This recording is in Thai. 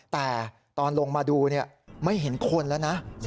แต่ตอนลงมาดูไม่เห็นคนแล้วนะ